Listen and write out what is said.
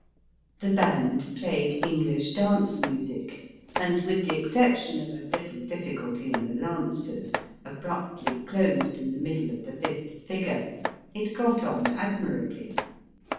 The band played Enghsh dance music, and with the exception of a little difficulty in the Lancers — abruptly closed in the middle of the fifth figure — ^it got on admirably.